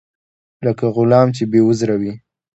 لکه غلام چې بې عذره وي.